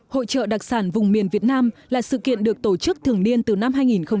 hội trợ đặc sản vùng miền việt nam là sự kiện được tổ chức thường niên từ năm hai nghìn một mươi tám